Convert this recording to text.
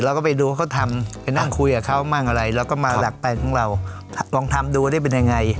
เราก็ไปดูเขาทำไปนั่งคุยกับเขามั่งอะไรเราก็มาหลักไปของเราลองทำดูว่าได้เป็นยังไง